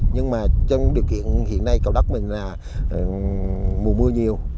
nhưng mà trong điều kiện hiện nay cầu đất mình là mùa mưa nhiều